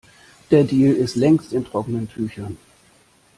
Der Deal ist längst in trockenen Tüchern.